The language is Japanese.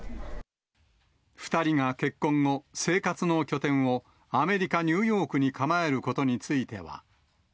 ２人が結婚後、生活の拠点をアメリカ・ニューヨークに構えることについては。